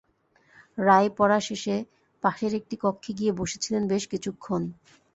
রায় পড়া শেষে পাশের একটি কক্ষে গিয়ে বসে ছিলেন বেশ কিছুক্ষণ।